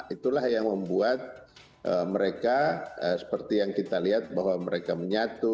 itulah yang membuat mereka seperti yang kita lihat bahwa mereka menyatu